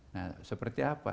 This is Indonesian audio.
nah seperti apa